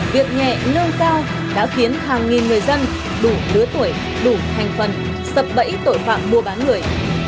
việc nghệ lương xa đã khiến hàng nghìn người dân đủ đứa tuổi đủ thành phần sập bẫy tội phạm mua bán người